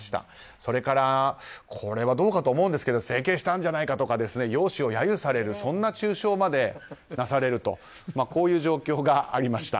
それからこれはどうなのかと思いますけど整形したんじゃないかですとか容姿を揶揄されるそんな中傷までなされるという状況がありました。